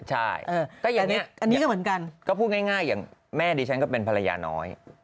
ใช่อันนี้ก็เหมือนกันก็พูดง่ายอย่างแม่ดิฉันก็เป็นภรรยาน้อย